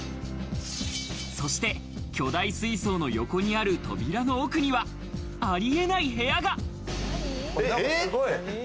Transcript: そして巨大水槽の横にある扉の奥には、ありえない部屋が。